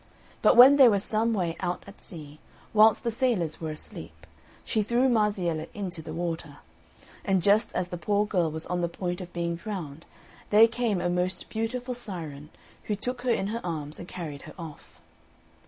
But when they were some way out at sea, whilst the sailors were asleep, she threw Marziella into the water; and just as the poor girl was on the point of being drowned there came a most beautiful syren, who took her in her arms and carried her off.